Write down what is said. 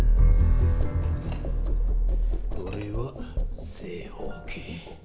これは正方形。